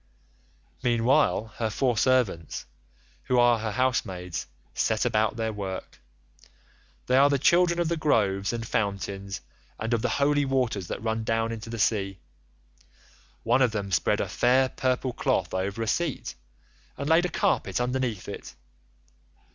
"Meanwhile her four servants, who are her housemaids, set about their work. They are the children of the groves and fountains, and of the holy waters that run down into the sea. One of them spread a fair purple cloth over a seat, and laid a carpet underneath it.